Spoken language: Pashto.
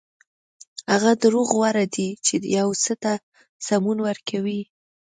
هغه دروغ غوره دي چې یو څه ته سمون ورکوي.